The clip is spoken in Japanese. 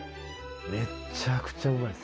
めちゃくちゃうまいです。